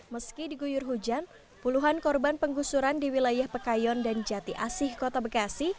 meski diguyur hujan puluhan korban penggusuran di wilayah pekayon dan jati asih kota bekasi